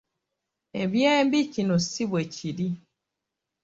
Eby’embi kino si bwe kiri.